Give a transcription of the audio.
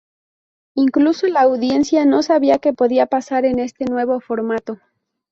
Incluso la audiencia no sabía que podía pasar en este nuevo formato.